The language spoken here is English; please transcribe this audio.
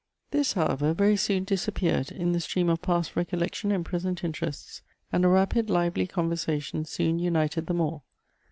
This, however, very soon disappeared in the stream of past recollection and present interests, and a rapid, lively conversation soon united them all.